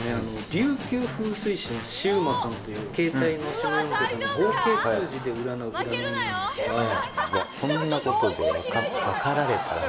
琉球風水志のシウマさんという携帯の下４桁の合計数字で占う占いなんですが。